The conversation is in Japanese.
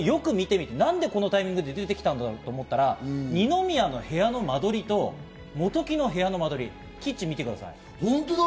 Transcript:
よく見てみると、何でこのタイミングで出てきたんだろうと思ったら、二宮の部屋の間取りと本木の部屋の間取り、キッチンを見てください。